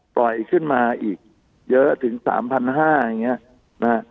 ปล่อยขึ้นมาอีกเยอะถึงสามพันห้าอย่างเงี้ยนะฮะ